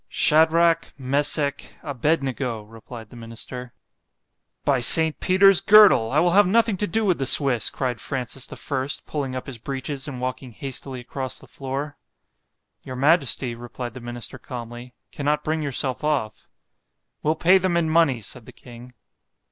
——Shadrach, Mesech, Abed nego, replied the minister.—By Saint Peter's girdle, I will have nothing to do with the Swiss, cried Francis the First, pulling up his breeches and walking hastily across the floor. Your majesty, replied the minister calmly, cannot bring yourself off. We'll pay them in money——said the king.